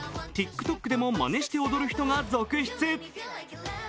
ＴｉｋＴｏｋでも、まねして踊る人が続出